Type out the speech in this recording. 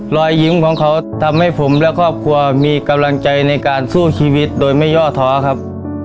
รอยยิ้มของเขาทำให้ผมและครอบครัวมีกำลังใจในการสู้ชีวิตโดยไม่ย่อท้อครับ